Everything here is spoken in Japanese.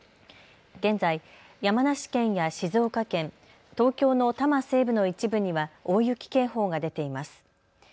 現在、山梨県や静岡県、東京の多摩西部の一部には大雪警報が出ています。